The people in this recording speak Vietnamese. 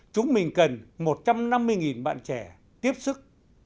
chúng mình cần một trăm năm mươi bạn trẻ tiếp sức